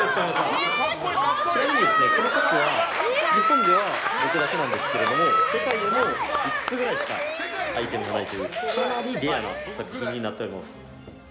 ちなみにこのシャツは日本では僕だけなんですが世界でも５つぐらいしかないというかなりレアな作品になっています。